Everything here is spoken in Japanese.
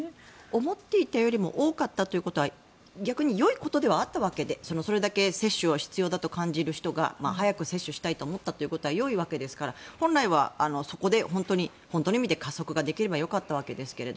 思っていたよりも多かったということは逆によいことではあったわけでそれだけ接種を必要だと感じる人が、早く接種したいと思ったということはよいわけですから本来はそこで本当の意味で加速ができればよかったわけですけれど。